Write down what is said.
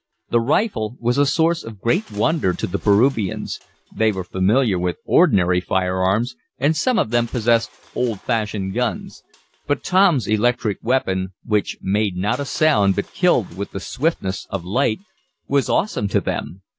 The rifle was a source of great wonder to the Peruvians. They were familiar with ordinary firearms, and some of them possessed old fashioned guns. But Tom's electric weapon, which made not a sound, but killed with the swiftness of light, was awesome to them.